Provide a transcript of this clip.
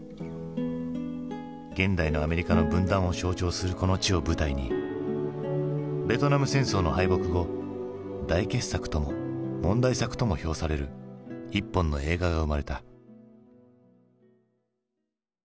現代のアメリカの分断を象徴するこの地を舞台にベトナム戦争の敗北後大傑作とも問題作とも評される一本の映画が生まれた。